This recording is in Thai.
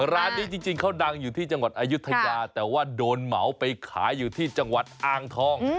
ร้านนี้จริงเขาดังอยู่ที่จังหวัดอายุทยาแต่ว่าโดนเหมาไปขายอยู่ที่จังหวัดอ่างทอง